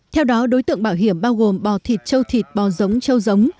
theo đó đối tượng bảo hiểm bao gồm bò thịt châu thịt bò giống châu giống